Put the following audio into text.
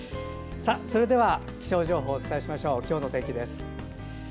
気象情報をお伝えしましょう今日のお天気です。